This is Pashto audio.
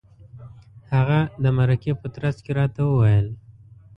هغه د مرکې په ترڅ کې راته وویل.